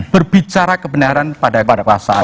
berbicara kebenaran kepada kekuasaan